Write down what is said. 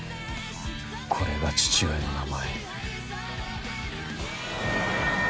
これが父親の名前。